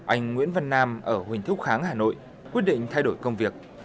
anh nguyễn văn nam ở huỳnh thúc kháng hà nội quyết định thay đổi công việc